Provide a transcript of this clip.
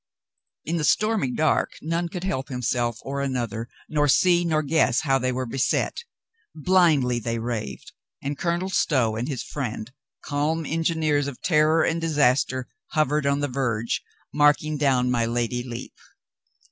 In the stormy dark none could help himself or another, nor see nor guess how they were beset. Blindly they raved, and Colonel Stow and his friend, calm engineers of terror and disaster, hovered on the verge, marking down my Lady Lepe.